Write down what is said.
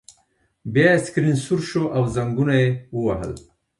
بیا یې سکرین سور شو او زنګونه یې ووهل